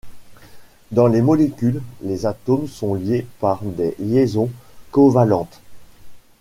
Dans les molécules, les atomes sont liés par des liaisons covalentes.